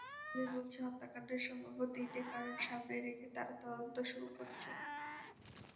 Police বলছে, হত্যাকাণ্ডের সম্ভাব্য তিনটি কারণ সামনে রেখে তারা তদন্ত শুরু করেছে।